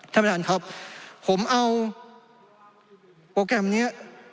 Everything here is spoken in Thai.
ท่านประธานครับผมเอาโปรแกรมนี้